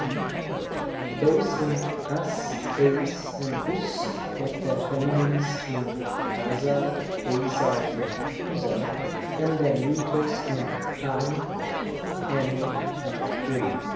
c. Those in as, εἰς and vs have their feminines in aca εἰσα and voa and their neuters in av, ev and vv.